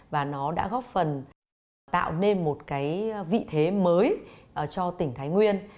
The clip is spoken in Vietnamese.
và nó đã góp phần tạo nên một cái vị thế mới cho tỉnh thái nguyên